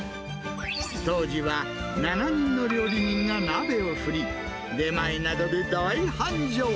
当時は７人の料理人が鍋を振り、出前などで大繁盛。